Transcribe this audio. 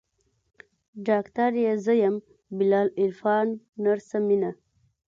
ډاکتر يې زه يم بلال عرفان نرسه مينه.